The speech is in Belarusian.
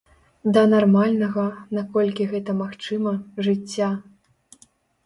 Да нармальнага, наколькі гэта магчыма, жыцця.